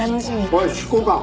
おい執行官。